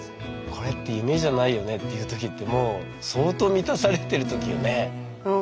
「これって夢じゃないよね」って言う時ってもう相当満たされる時よね。